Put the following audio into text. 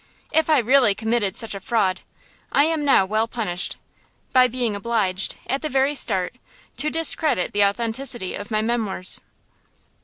If I really committed such a fraud, I am now well punished, by being obliged, at the very start, to discredit the authenticity of my memoirs.